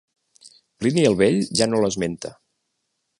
Plini el Vell ja no l'esmenta.